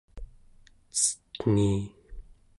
cen̄ii